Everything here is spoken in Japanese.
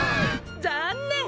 ざんねん！